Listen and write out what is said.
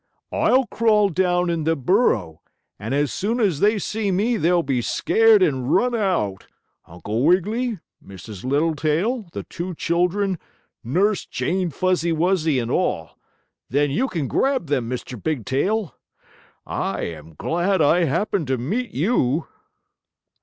"I'll crawl down in the burrow, and as soon as they see me they'll be scared and run out Uncle Wiggily, Mrs. Littletail, the two children, Nurse Jane Fuzzy Wuzzy and all. Then you can grab them, Mr. Bigtail! I am glad I happened to meet you!"